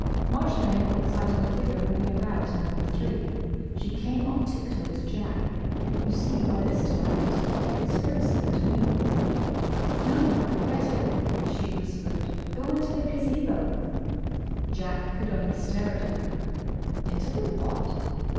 Marjolaine caught sight of a figure moving about in Number Three. She came on tip toe to Jack. You see, by this time there was quite a conspiracy between them. "No! Better!" she whispered. "Go into the Gazebo." Jack could only stare at her. "Into the what?"